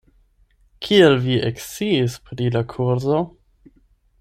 Kiel vi eksciis pri la kurso?